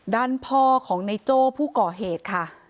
ด้านพ่อของในโจ้ผู้ก่อเหตุค่ะ